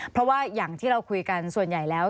เพราะว่าอย่างที่เราคุยกันส่วนใหญ่แล้ว